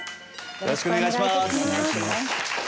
よろしくお願いします。